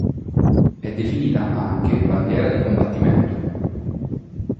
È definita anche "bandiera di combattimento".